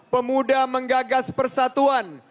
pemuda menggagas persatuan